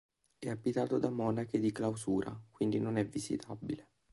È abitato da monache di clausura, quindi non è visitabile.